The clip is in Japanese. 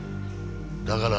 だから。